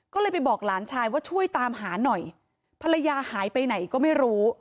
ก็เลยไปบอกหลานชายว่าช่วยตามหาหน่อยภรรยาหายไปไหนก็ไม่รู้